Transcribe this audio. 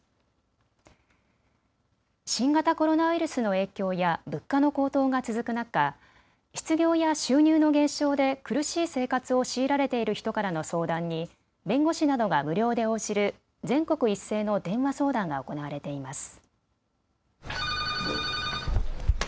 新型コロナウイルスの影響や物価の高騰が続く中、失業や収入の減少で苦しい生活を強いられている人からの相談に弁護士などが無料で応じる全国一斉の電話相談が行われています。